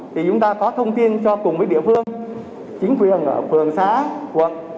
thì chúng ta có thông tin cho cùng với địa phương chính quyền ở phường xã quận